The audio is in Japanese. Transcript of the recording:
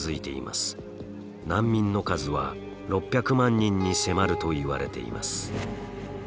難民の数は６００万人に迫るといわれています。